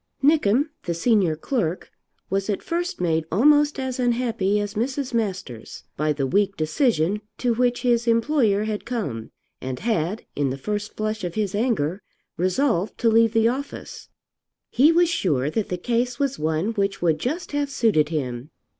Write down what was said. Nickem, the senior clerk, was at first made almost as unhappy as Mrs. Masters by the weak decision to which his employer had come, and had in the first flush of his anger resolved to leave the office. He was sure that the case was one which would just have suited him.